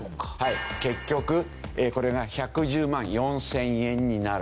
結局これが１１０万４０００円になる。